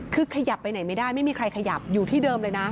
คือขยับไปไหนไม่ได้ไม่มีใครขยับอยู่ที่เดิมเลยนะ